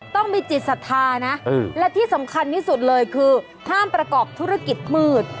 ต้องมีจิตศรัทธานะและที่สำคัญที่สุดเลยคือห้ามประกอบธุรกิจมืด